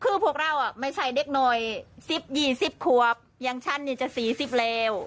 คือพวกเราไม่ใช่เด็กน้อย๑๐๒๐ขวบอย่างฉันนี่จะ๔๐แล้ว